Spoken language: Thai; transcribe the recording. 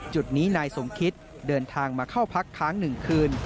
จุดนี้นายสมคิตเดินทางมาเข้าพักค้าง๑คืน